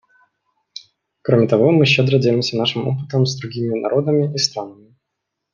Кроме того, мы щедро делимся нашим опытом с другими народами и странами.